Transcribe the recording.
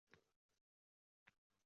Buniki qaynab chiqaveradi.